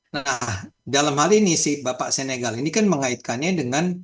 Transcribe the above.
nah dalam hal ini si bapak senegal ini kan mengaitkannya dengan